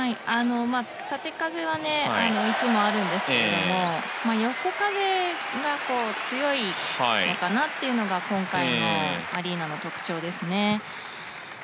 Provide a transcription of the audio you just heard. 縦風はいつもあるんですけども横風が強いのかなというのが今回のアリーナの特徴ですね。